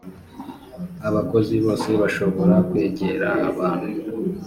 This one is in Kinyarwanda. abakozi bose bashobora kwegera abantu